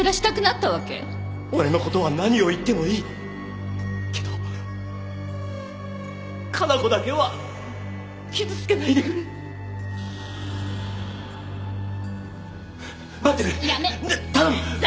俺のことは何を言ってもいいけど加奈子だけは傷つけないでくれ待ってくれやめっ頼む！